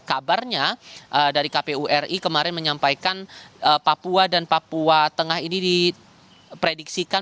kabarnya dari kpu ri kemarin menyampaikan papua dan papua tengah ini diprediksikan